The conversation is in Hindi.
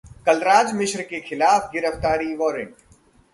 कलराज मिश्र के खिलाफ गिरफ्तारी वारंट